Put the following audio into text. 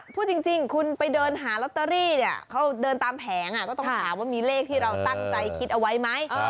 พูดจริงคุณไปเดินหาลอตเตอรี่เนี่ยเขาเดินตามแผงก็ต้องถามว่ามีเลขที่เราตั้งใจคิดเอาไว้ไหม